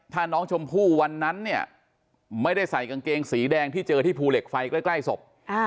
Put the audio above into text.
ถ้าน้องชมพู่วันนั้นเนี่ยไม่ได้ใส่กางเกงสีแดงที่เจอที่ภูเหล็กไฟใกล้ศพ